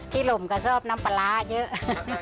หล่มก็ชอบน้ำปลาร้าเยอะ